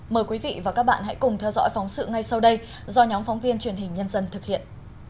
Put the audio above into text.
mời quý vị và các bạn hãy cùng theo dõi phóng sự ngay sau đây do nhóm phóng viên truyền hình nhân dân thực hiện